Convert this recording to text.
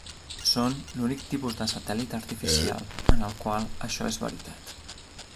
Són l'únic tipus de satèl·lit artificial en el qual això és veritat.